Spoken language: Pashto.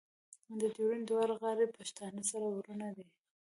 د ډیورنډ دواړه غاړې پښتانه سره ورونه دي.